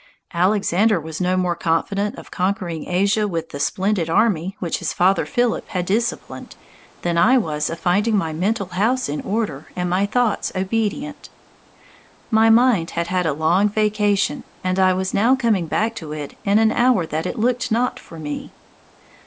Alexander was no more confident of conquering Asia with the splendid army which his father Philip had disciplined than I was of finding my mental house in order and my thoughts obedient. My mind had had a long vacation, and I was now coming back to it in an hour that it looked not for me.